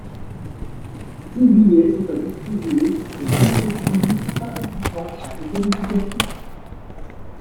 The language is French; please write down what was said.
Six billets sont à distribuer aux vingt-sept pays participant à ces qualifications.